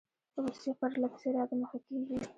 روسیه پر له پسې را دمخه کیږي.